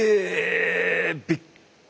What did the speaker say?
びっくり。